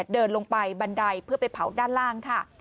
เดินลงไปบันไดเพื่อไปเผาด้านล่างค่ะ